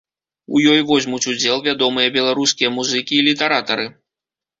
У ёй возьмуць удзел вядомыя беларускія музыкі і літаратары.